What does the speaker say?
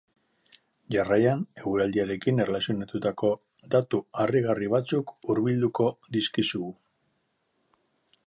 Jarraian, eguraldiarekin erlazionatutako datu harrigarri batzuk hurbilduko dizkizugu.